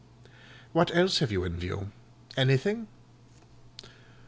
"What else have you in view—anything?"